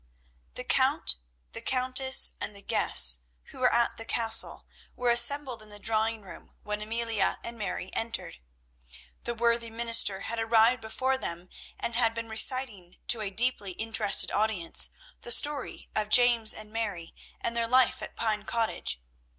The Count, the Countess, and the guests who were at the castle, were assembled in the drawing room when Amelia and Mary entered. The worthy minister had arrived before them, and had been reciting to a deeply interested audience, the story of James and Mary and their life at Pine Cottage.